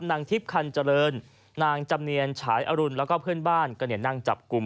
นางทิพย์คันเจริญนางจำเนียนฉายอรุณแล้วก็เพื่อนบ้านก็นั่งจับกลุ่ม